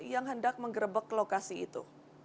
yang hendak menggerebek lokasi itu